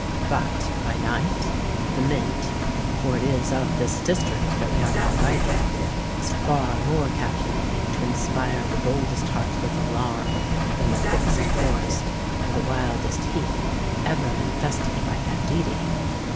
But, by night, the Mint,—for it is of this district that we are now writing,—is far more calculated to inspire the boldest heart with alarm, than the thickest forest or the wildest heath ever infested by banditti.